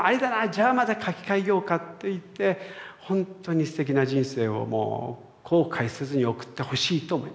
じゃあまた書き換えようかって言って本当にすてきな人生をもう後悔せずに送ってほしいと思います。